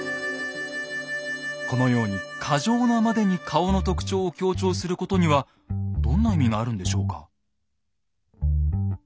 このように過剰なまでに顔の特徴を強調することにはどんな意味があるんでしょうか？